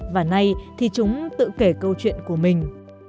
và nay thì chúng tự kể câu chuyện của mình